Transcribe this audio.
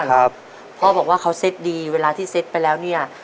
พ่อบอกว่าเขาเซ็ตดีเวลาที่เซ็ตไปแล้วเนี่ย